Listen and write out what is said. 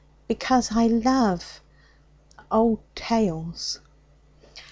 'Because I love old tales.'